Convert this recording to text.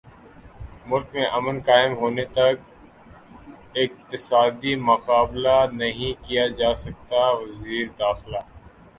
ملک میں امن قائم ہونےتک اقتصادی مقابلہ نہیں کیاجاسکتاوزیرداخلہ